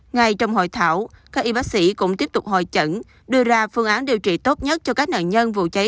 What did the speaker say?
ngay trong hội thảo các y bác sĩ cũng tiếp tục hội chẩn đưa ra phương án điều trị tốt nhất cho các nạn nhân vụ cháy